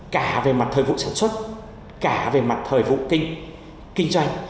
cả về mặt thời vụ sản xuất cả về mặt thời vụ kinh doanh